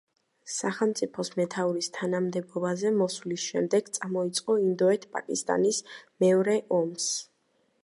სახელმწიფოს მეთაურის თანამდებობაზე მოსვლის შემდეგ წამოიწყო ინდოეთ-პაკისტანის მეორე ომს.